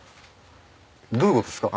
どういう事ですか？